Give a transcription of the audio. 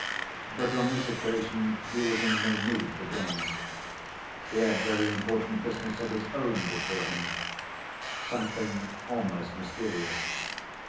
But on this occasion he was in no mood for games. He had very important business of his own before him, something almost mysterious.